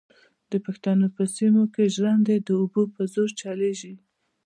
د پښتنو په سیمو کې ژرندې د اوبو په زور چلېږي.